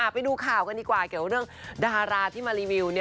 ไปดูข่าวกันดีกว่าเกี่ยวกับเรื่องดาราที่มารีวิว